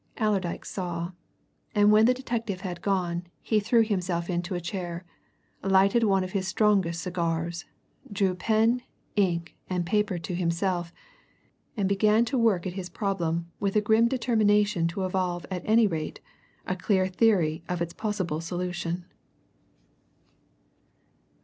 Allerdyke saw. And when the detective had gone, he threw himself into a chair, lighted one of his strongest cigars, drew pen, ink, and paper to him, and began to work at his problem with a grim determination to evolve at any rate a clear theory of its possible solution.